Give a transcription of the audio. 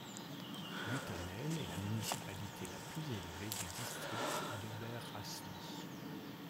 Guttannen est la municipalité la plus élevée du district d'Oberhasli.